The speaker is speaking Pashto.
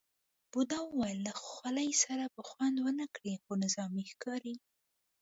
بوډا وویل له خولۍ سره به خوند ونه کړي، خو نظامي ښکاري.